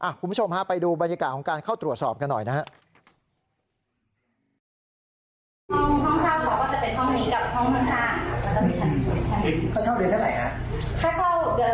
คุณผู้ชมฮะไปดูบรรยากาศของการเข้าตรวจสอบกันหน่อยนะครับ